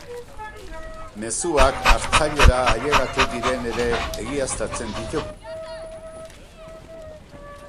Mezuak hartzailera ailegatu diren ere egiaztatzen ditu.